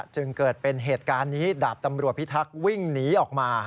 จึงเกิดเป็นเหตุการณ์นี้ดาบตำรวจพิทักษ์วิ่งหนีออกมา